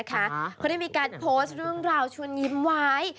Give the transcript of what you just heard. เขาได้มีการโพสต์เรื่องราวชวนยิ้มไว้